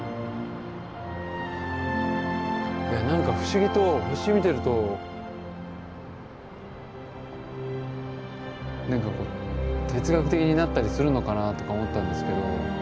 いや何か不思議と星見てると何かこう哲学的になったりするのかなとか思ったんですけど